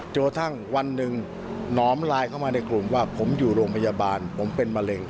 กระทั่งวันหนึ่งหนอมไลน์เข้ามาในกลุ่มว่าผมอยู่โรงพยาบาลผมเป็นมะเร็ง